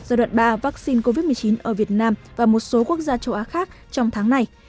giai đoạn ba vaccine covid một mươi chín ở việt nam và một số quốc gia châu á khác trong tháng này